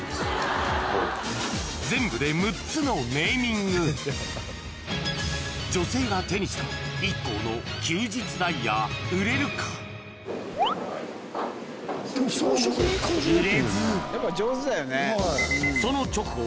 全部で６つのネーミング女性が手にしたＩＫＫＯの「休日ダイヤ」その直後